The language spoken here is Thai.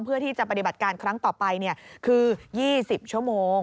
เพื่อที่จะปฏิบัติการครั้งต่อไปคือ๒๐ชั่วโมง